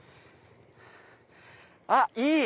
あっいい！